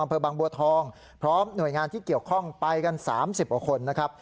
อำเภอบางบัวทองพร้อมหน่วยงานที่เกี่ยวข้องไปกัน๓๐กว่าคนนะครับ